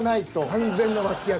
完全な脇役。